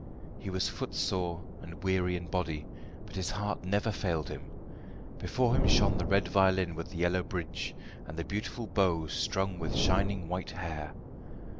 He was footsore and weary in body, but his heart never failed him. Before him shone the red violin with the yellow bridge, and the beautiful bow strung with shining white hair.